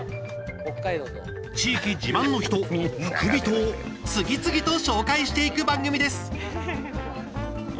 地域自慢の人「ふくびと」を次々と紹介していく番組です。